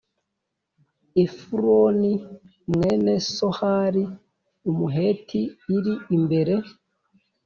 Efuroni mwene Sohari Umuheti iri imbere